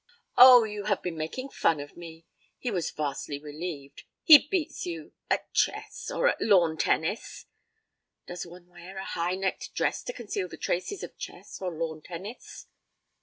'Oh, you have been making fun of me.' He was vastly relieved. 'He beats you at chess or at lawn tennis?' 'Does one wear a high necked dress to conceal the traces of chess, or lawn tennis?'